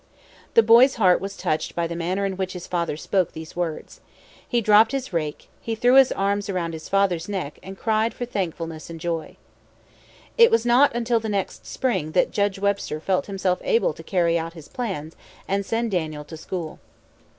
The boy's heart was touched by the manner in which his father spoke these words. He dropped his rake; he threw his arms around his father's neck, and cried for thankfulness and joy. It was not until the next spring that Judge Webster felt himself able to carry out his plans to send Daniel to school.